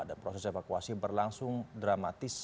dan proses evakuasi berlangsung dramatis